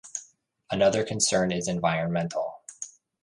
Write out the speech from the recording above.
Another concern is environmental.